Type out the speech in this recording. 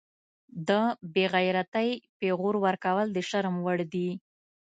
د بیغیرتۍ پیغور ورکول د شرم وړ دي